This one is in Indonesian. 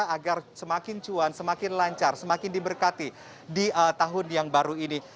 agar semakin cuan semakin lancar semakin diberkati di tahun yang baru ini